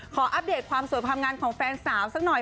อัปเดตความสวยความงามของแฟนสาวสักหน่อย